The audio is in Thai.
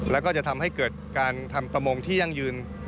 แล้วก็จะทำให้เกิดการทำประมงที่ยั่งยืน